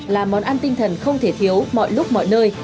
là món ăn tinh thần không thể thiếu mọi lúc mọi nơi